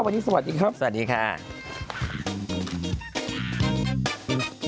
วันนี้สวัสดีครับสวัสดีค่ะสวัสดีค่ะ